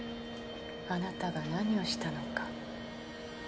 あなたが何をしたのか。